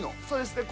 そうです。